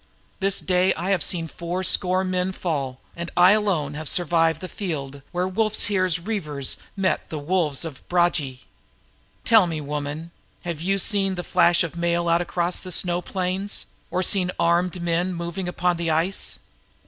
This day I have seen four score warriors fall, and I alone survive the field where Wulfhere's reavers met the men of Bragi. Tell me, woman, have you caught the flash of mail across the snow plains, or seen armed men moving upon the ice?"